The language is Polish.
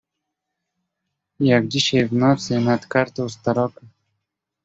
"jak dzisiaj w nocy nad kartą z taroka."